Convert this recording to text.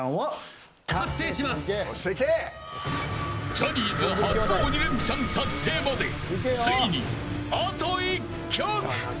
ジャニーズ初の鬼レンチャン達成までついにあと１曲。